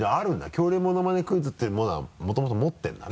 恐竜モノマネクイズっていうものはもともと持ってるんだね？